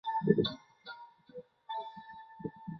女子严淑英则嫁给著名实业家吴调卿之子吴熙元。